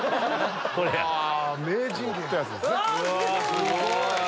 すごい！